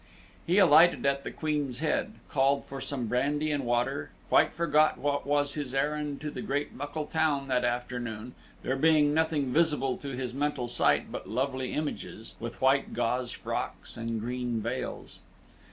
He alighted at the Queen's Head, called for some brandy and water, quite forgot what was his errand to the great muckle town that afternoon, there being nothing visible to his mental sight but lovely images, with white gauze frocks and green veils.